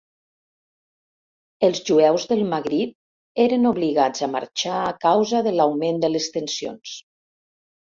Els jueus del Magrib eren obligats a marxar a causa de l'augment de les tensions.